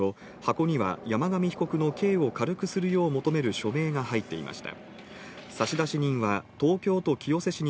警察が調べたところ、箱には山上被告の刑を軽くするよう求める署名が入っていました。